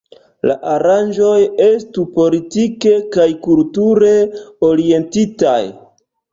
La aranĝoj estu politike kaj kulture orientitaj.